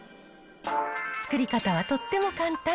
作り方はとっても簡単。